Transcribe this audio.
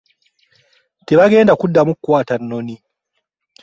Tebagenda kuddamu kukwata nnoni.